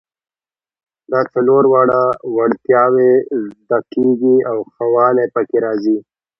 دا څلور واړه وړتیاوې زده کیږي او ښه والی پکې راځي.